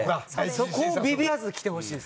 そこをビビらず来てほしいです。